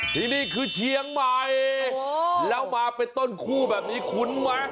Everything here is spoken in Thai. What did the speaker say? ที่นี่คือเชียงใหม่แล้วมาเป็นต้นคู่แบบนี้คุ้นไหม